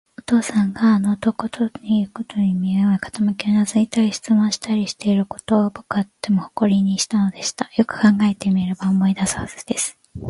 お父さんがあの男のいうことに耳を傾け、うなずいたり、質問したりしていることを、ぼくはとても誇りにしたのでした。よく考えてみれば、思い出すはずです。